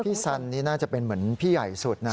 สันนี่น่าจะเป็นเหมือนพี่ใหญ่สุดนะ